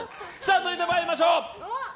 続いて参りましょう。